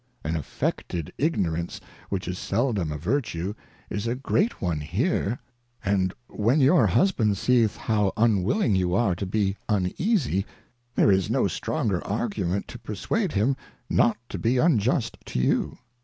An affected Ignorance, which is seldom a Vertue, is a great one here ^ And when your Husband seeth how unwilling you are to be uneasie, there is no stronger Argument to perswade him not to be unjust to you.